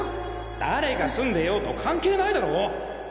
誰が住んでようと関係ないだろう！